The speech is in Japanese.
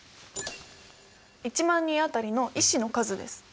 １万人当たりの医師の数です。